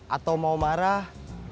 atau mau marah